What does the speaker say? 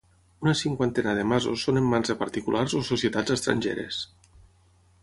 Una cinquantena de masos són en mans de particulars o societats estrangeres.